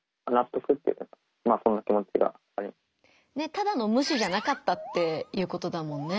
ただの無視じゃなかったっていうことだもんね。